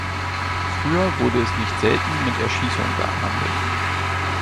Früher wurde es nicht selten mit Erschießung geahndet.